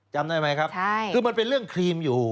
จำได้ไหมครับคือมันเป็นเรื่องครีมอยู่